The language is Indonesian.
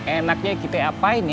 enaknya kita yang apain ya